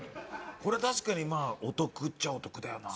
これ確かにまあお得っちゃお得だよな。